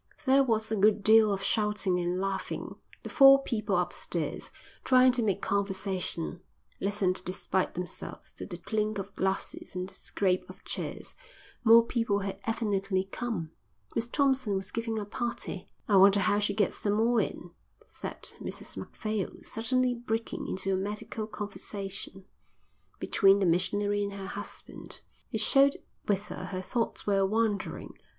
There was a good deal of shouting and laughing. The four people upstairs, trying to make conversation, listened despite themselves to the clink of glasses and the scrape of chairs. More people had evidently come. Miss Thompson was giving a party. "I wonder how she gets them all in," said Mrs Macphail, suddenly breaking into a medical conversation between the missionary and her husband. It showed whither her thoughts were wandering.